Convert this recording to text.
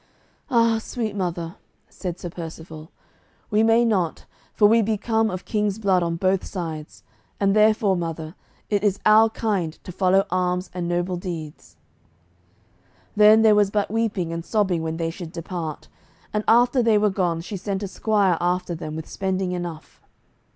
"Ah, sweet mother," said Sir Percivale, "we may not, for we be come of king's blood on both sides, and therefore, mother, it is our kind to follow arms and noble deeds." Then there was but weeping and sobbing when they should depart, and after they were gone, she sent a squire after them with spending enough.